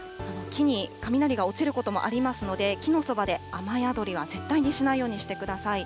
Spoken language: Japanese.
木に雷が落ちることもありますので、木のそばで雨宿りは絶対にしないようにしてください。